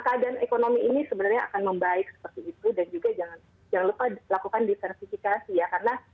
keadaan ekonomi ini sebenarnya akan membaik seperti itu dan juga jangan lupa lakukan disertifikasi ya karena